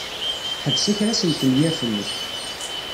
Ḥbes akras n tenyirt-nnek!